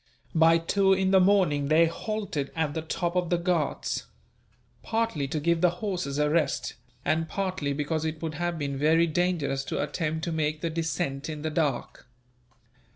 By two in the morning, they halted at the top of the Ghauts; partly to give the horses a rest, and partly because it would have been very dangerous to attempt to make the descent in the dark.